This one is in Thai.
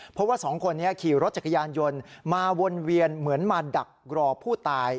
เพราะว่าสองคนนี้ขี่รถจักรยานยนต์มาวนเวียนเหมือนมาดักรอผู้ตาย